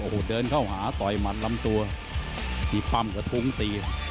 โอ้โหเดินเข้าหาต่อยหมัดลำตัวมีปั้มกระทุ้งตี